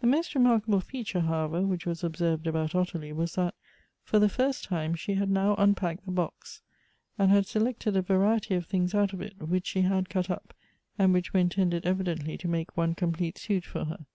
THE most remarkable feature, however, which was ob served about Ottilie was that, for the first time, she liad now unpacked the box, and had selected a variety Elective Affinities. 311 of things out of it, which she had cut up, and which were intended evidently to make one complete suit for her.